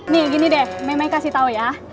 nih gini deh meme kasih tau ya